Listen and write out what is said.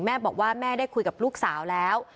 แม่บอกว่าแม่ได้คุยกับลูกสาวแล้ว